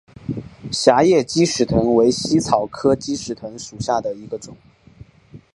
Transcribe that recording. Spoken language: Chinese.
狭叶鸡矢藤为茜草科鸡矢藤属下的一个种。